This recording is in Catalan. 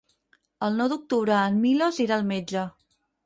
El nou d'octubre en Milos irà al metge.